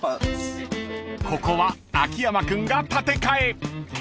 ［ここは秋山君が立て替え］